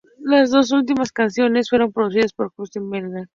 Las dos últimas canciones fueron producidas por Justin Meldal-Johnsen.